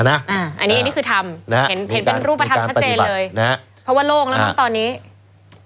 อันนี้คือทำเห็นเป็นรูปธรรมชัดเจนเลยเพราะว่าโลกแล้วตอนนี้